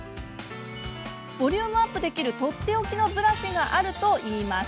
ボリュームアップできるとっておきのブラシがあるといいます。